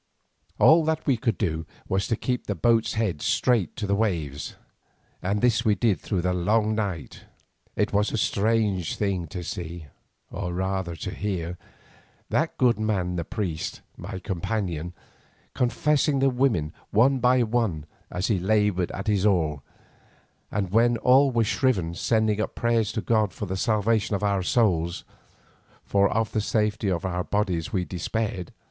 All that we could do was to keep the boat's head straight to the waves, and this we did through the long night. It was a strange thing to see, or rather to hear, that good man the priest my companion, confessing the women one by one as he laboured at his oar, and when all were shriven sending up prayers to God for the salvation of our souls, for of the safety of our bodies we despaired.